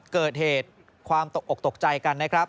เกิดเหตุความตกอกตกใจกันนะครับ